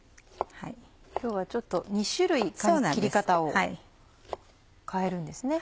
今日は２種類切り方を変えるんですね。